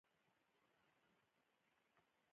د دغو نومونو خوښول ځکه مشکل وو پوه شوې!.